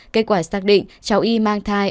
kết quả xác định cháu y mang thai